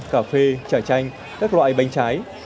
cà phê trà chanh các loại bánh trái